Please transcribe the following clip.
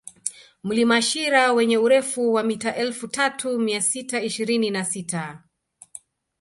Mlima Shira wenye urefu wa mita elfu tatu mia sita ishirini na sita